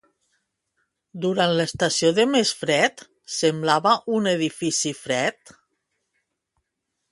Durant l'estació de més fred, semblava un edifici fred?